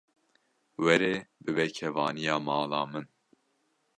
Were bibe kevaniya mala min.